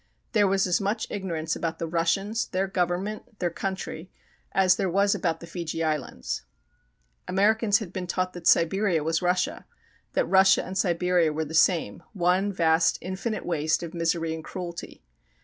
There was as much ignorance about the Russians, their Government, their country, as there was about the Fiji Islands. Americans had been taught that Siberia was Russia, that Russia and Siberia were the same, one vast infinite waste of misery and cruelty.